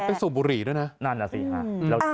ไปสู่บุหรี่ด้วยนะ